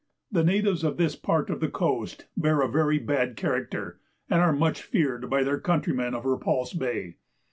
The natives of this part of the coast bear a very bad character, and are much feared by their countrymen of Repulse Bay.